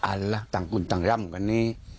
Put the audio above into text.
อันละต้างกลุ่มต้านกันนี้